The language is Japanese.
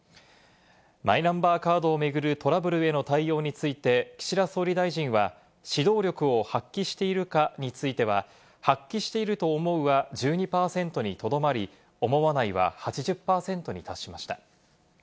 マイナンバーカードを巡るトラブルへの対応について、岸田総理大臣は指導力を発揮しているかについては、発揮していると思うは１２％にとどまり、思わないは８０％に達しました。